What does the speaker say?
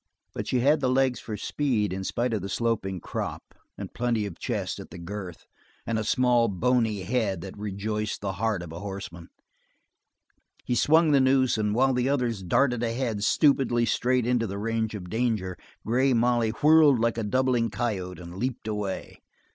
But she had the legs for speed in spite of the sloping croup, and plenty of chest at the girth, and a small, bony head that rejoiced the heart of a horseman. He swung the noose, and while the others darted ahead, stupidly straight into the range of danger, Grey Molly whirled like a doubling coyote and leaped away.